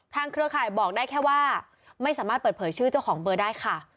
เครือข่ายบอกได้แค่ว่าไม่สามารถเปิดเผยชื่อเจ้าของเบอร์ได้ค่ะ